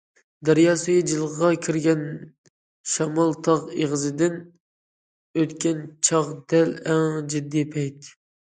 دەريا سۈيى جىلغىغا كىرگەن، شامال تاغ ئېغىزىدىن ئۆتكەن چاغ دەل ئەڭ جىددىي پەيت.